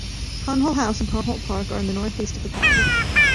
Conholt House and Conholt Park are in the northeast of the parish.